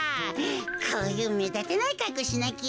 こういうめだたないかっこうしなきゃ。